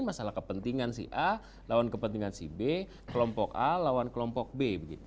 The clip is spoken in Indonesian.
masalah kepentingan si a lawan kepentingan si b kelompok a lawan kelompok b